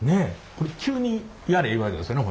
これ急にやれ言われたんですよね？